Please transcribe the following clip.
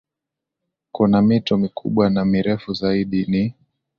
Kuna mito mikubwa na mirefu zaidi ni